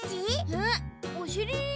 えっおしり？